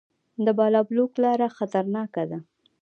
د بالابلوک لاره خطرناکه ده